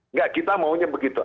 nggak kita maunya begitu